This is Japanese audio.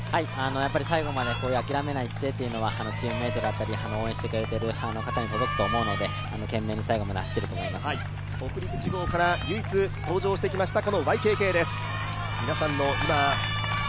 最後まで諦めない姿勢はチームメイトだったり、応援してくれている方に届くと思うので懸命に最後まで走っている北陸地方から唯一登場してきました、ＹＫＫです。